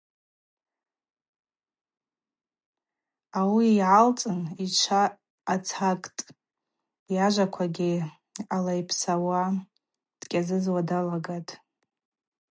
Ауи йгӏалцӏын йчва ацакӏтӏ, йажваква алайпсауа, дкӏьазызуа далагатӏ.